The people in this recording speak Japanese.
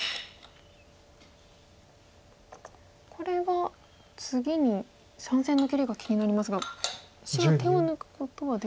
これは次に３線の切りが気になりますが白手を抜くことはできる？